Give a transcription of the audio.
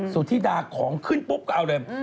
สุธิดาของขึ้นปุ๊บก็เอาเลย